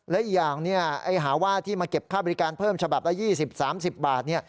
และอีกอย่างหาว่าที่มาเก็บค่าบริการเพิ่มฉบับละ๒๐๓๐บาท